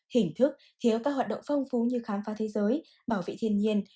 hình thức thiếu các hoạt động phong phú như khám phá thế giới bảo vệ thiên nhiên